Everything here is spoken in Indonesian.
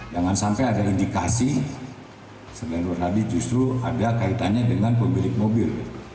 jangan sampai ada indikasi selain nur hadi justru ada kaitannya dengan pemilik mobil